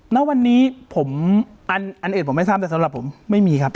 ณวันนี้ผมอันอื่นผมไม่ทราบแต่สำหรับผมไม่มีครับ